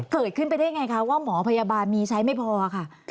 เกิดขึ้นไปได้ไงคะว่าหมอพยาบาลมีใช้ไม่พอค่ะ